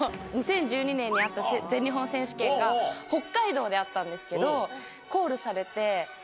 ２０１２年にあった全日本選手権が北海道であったんですけど。